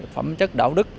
phẩm chất đạo đức